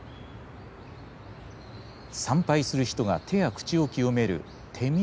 参拝する人が手や口を清める手水舎。